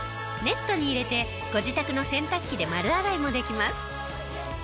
ネットに入れてご自宅の洗濯機で丸洗いもできます。